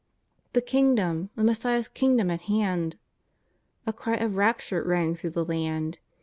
" The Kingdom, the Messiah's Kingdom at hand !" A cry of rapture rang through the land.